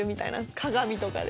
鏡とかで。